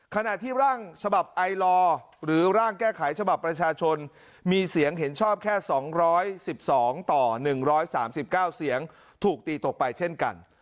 ขณะที่ร่างฉบับไอลอร์หรือร่างแก้ไขฉบับประชาชนมีเสียงเห็นชอบแค่๒๑๒ต่อ๑๓๙เสียงถูกตีตกไปเช่นกัน